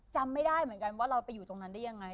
จำไม่ได้เหมือนกันว่าเราไปอยู่ตรงนั้นได้ยังไง